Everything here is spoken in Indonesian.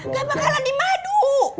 gak bakalan di madu